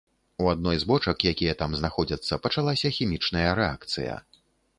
У адной з бочак, якія там знаходзяцца, пачалася хімічная рэакцыя.